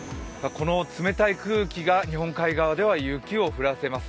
この冷たい空気が日本海側では雪を降らせます。